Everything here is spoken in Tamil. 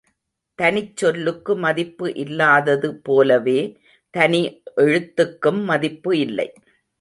தனிச் சொல்லுக்கு மதிப்பு இல்லாதது போலவே, தனி எழுத்துக்கும் மதிப்பு இல்லை.